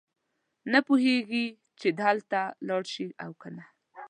نه پوهېږي چې هلته لاړ شي او کنه.